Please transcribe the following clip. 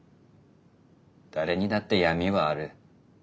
誰にだって闇はある。